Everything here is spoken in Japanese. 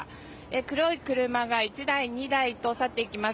黒い車が１台、２台と去っていきます。